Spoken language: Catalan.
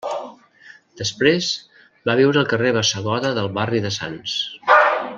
Després va viure al carrer Bassegoda del barri de Sants.